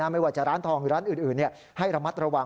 ไม่ว่าจะร้านทองหรือร้านอื่นให้ระมัดระวัง